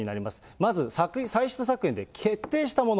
まず歳出削減で決定したもの。